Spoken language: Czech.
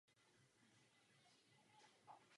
Stěžejním místem na jihu okresu je centrální hřbitov.